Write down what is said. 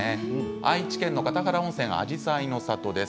愛知県の形原温泉あじさいの里です。